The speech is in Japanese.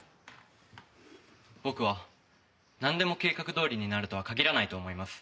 僕はなんでも計画どおりになるとは限らないと思います。